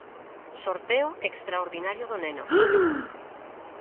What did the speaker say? Sorteo extraordinario do Neno.